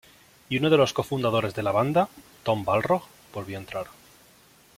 Y uno de los co-fundadores de la banda, Tom Balrog, volvió a entrar.